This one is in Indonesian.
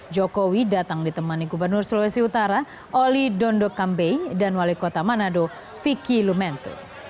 jokowi datang ditemani gubernur sulawesi utara oli dondokambe dan wali kota manado vicky lumentu